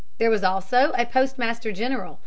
There was also a Postmaster General.